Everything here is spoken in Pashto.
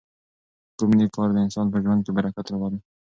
کوم نېک کار د انسان په ژوند کې برکت راولي؟